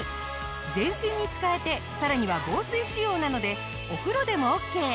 全身に使えてさらには防水仕様なのでお風呂でもオッケー。